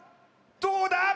どうだ？